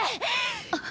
あっ。